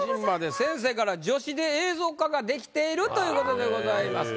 先生から「助詞で映像化ができている！」ということでございます。